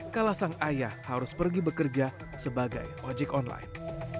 kala sang ayah harus pergi bekerja sebagai ojek online